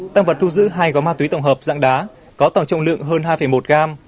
tăng vật thu giữ hai gói ma túy tổng hợp dạng đá có tổng trọng lượng hơn hai một g